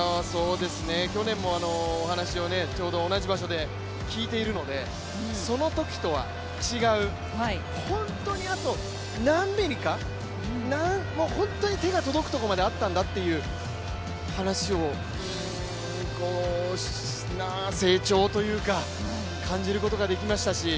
去年もお話をちょうど同じ場所で聞いているのでそのときとは違う、本当にあと何ミリか、本当に手が届くところまであったんだという話を、成長というか、感じることができましたし、